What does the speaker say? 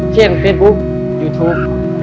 เที่ยงเฟซบุ๊คยูทูป